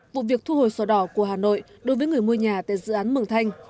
vụ việc thu hồi sổ đỏ của hà nội đối với người mua nhà tại dự án mường thanh